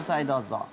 どうぞ。